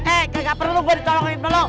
eh gak perlu gua ditolongin